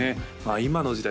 今の時代